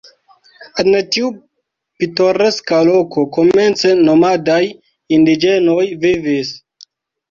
En tiu pitoreska loko komence nomadaj indiĝenoj vivis.